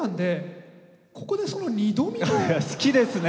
好きですね！